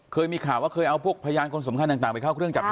เคยมีข่าวว่าเคยเอาพวกพยานคนสำคัญต่างไปเข้าเครื่องจับ